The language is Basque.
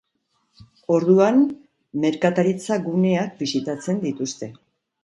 Orduan, merkataritza guneak bisitatzen dituzte.